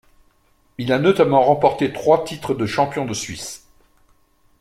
Il a notamment remporté trois titres de champion de Suisse.